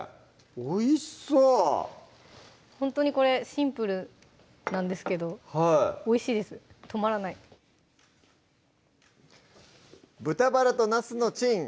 おいしそうほんとにこれシンプルなんですけどおいしいです止まらない「豚バラとなすのチン」